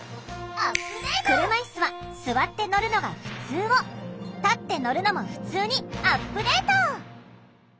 「車いすは座って乗るのがふつう」を「立って乗るのもふつう」にアップデート！